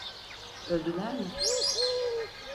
Öldüler mi?